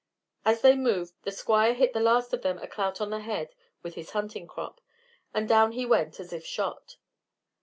As they moved, the Squire hit the last of them a clout on the head with his hunting crop, and down he went, as if shot.